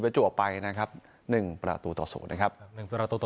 ประจวบไปนะครับหนึ่งประตูต่อศูนย์นะครับหนึ่งประตูต่อ